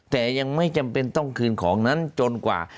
แต่ยังไม่จำเป็นต้องคืนของนั้นจนกว่า